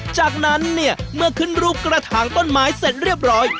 จากนั้นเนี่ยเมื่อขึ้นรูปกระถางต้นไม้เสร็จเรียบร้อย